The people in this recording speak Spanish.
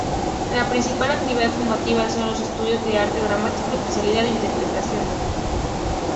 La principal actividad formativa son los estudios de Arte Dramático, especialidad Interpretación.